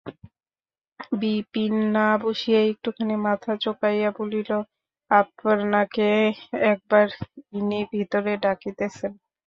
বিপিন না বসিয়াই একটুখানি মাথা চুলকাইয়া বলিল, আপনাকে এক বার ইনি ভিতরে ডাকিতেছেন।